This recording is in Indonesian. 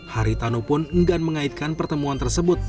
haritano pun enggan mengaitkan pertemuan tersebut